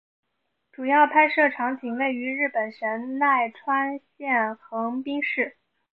主要拍摄场景位于日本神奈川县横滨市。